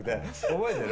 覚えてる？